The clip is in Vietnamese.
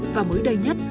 và mới đây nhất